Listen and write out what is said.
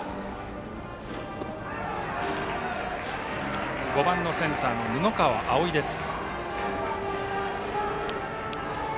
打者は５番のセンター布川碧です。